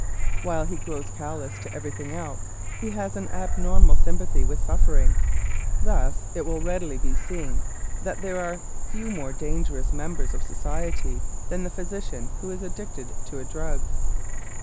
While he grows callous to everything else, he has an abnormal sympathy with suffering. Thus it will readily be seen that there are few more dangerous members of society than the physician who is addicted to a drug.